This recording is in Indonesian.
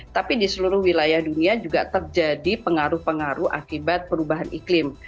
tapi di seluruh wilayah dunia juga terjadi pengaruh pengaruh akibat perubahan iklim